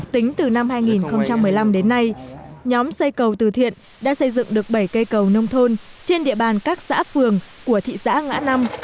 tính từ năm hai nghìn một mươi năm đến nay nhóm xây cầu từ thiện đã xây dựng được bảy cây cầu nông thôn trên địa bàn các xã phường của thị xã ngã năm